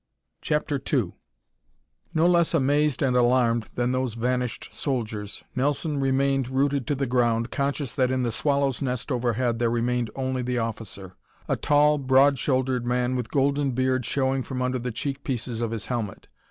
CHAPTER II No less amazed and alarmed than those vanished soldiers, Nelson remained rooted to the ground, conscious that in the swallow's nest overhead there remained only the officer a tall, broad shouldered man with golden beard showing from under the cheek pieces of his helmet.